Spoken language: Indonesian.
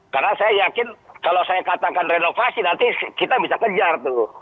karena saya yakin kalau saya katakan renovasi nanti kita bisa kejar tuh